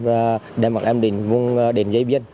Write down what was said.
và đem các em đến giấy biến